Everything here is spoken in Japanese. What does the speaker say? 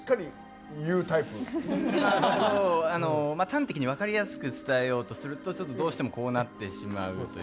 端的に分かりやすく伝えようとするとちょっとどうしてもこうなってしまうという。